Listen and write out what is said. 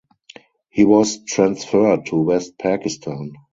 He was transferred to West Pakistan.